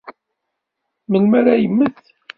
Melmi ara yemmet?